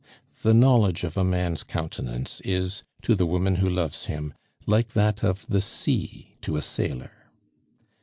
The knowledge of a man's countenance is, to the woman who loves him, like that of the sea to a sailor.